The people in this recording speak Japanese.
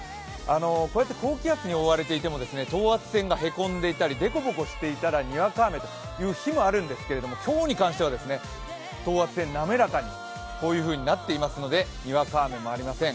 こうやって高気圧に覆われていても、等圧線が凹んでいたり凸凹していたらにわか雨という日もあるんですけど今日に関してはですね、等圧線、滑らかにこういうふうになっていますのでにわか雨もありません。